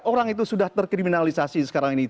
orang itu sudah terkriminalisasi sekarang ini